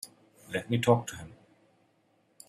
Let me talk to him.